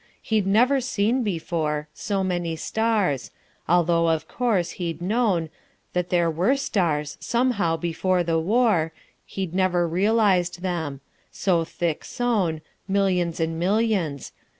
He'd never seen before So many stars. Although, of course, he'd known That there were stars, somehow before the war He'd never realised them so thick sown, Millions and millions.